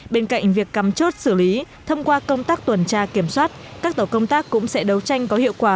bên cạnh việc cắm chốt xử lý thông qua công tác tuần tra kiểm soát các tổ công tác cũng sẽ đấu tranh có hiệu quả